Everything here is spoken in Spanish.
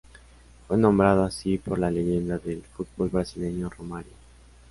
Fue nombrado así por la leyenda del fútbol brasileño Romário.